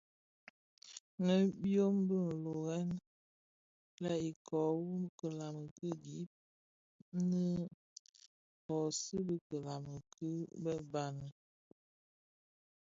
Nnë byom bi löören lè iköö wu kilami ki gib nnë kōsuu bi kilami ki bë bani.